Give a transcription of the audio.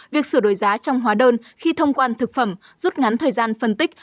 việc sửa đổi giá trong hóa đơn khi thông quan thực phẩm rút ngắn thời gian phân tích